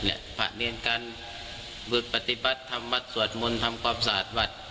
ภาครีนการปฏิบัติทำวัดสวัสดิ์มนต์ทำความสาธิ์วัด